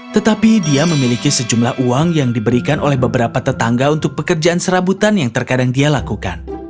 tetapi dia memiliki sejumlah uang yang diberikan oleh beberapa tetangga untuk pekerjaan serabutan yang terkadang dia lakukan